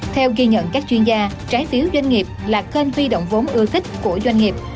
theo ghi nhận các chuyên gia trái phiếu doanh nghiệp là kênh huy động vốn ưa thích của doanh nghiệp